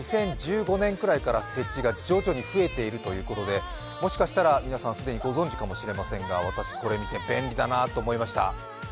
２０１５年くらいから設置が徐々に増えているということでもしかしたら、既に皆さんご存じかもしれませんが私、これ便利だなと思いました。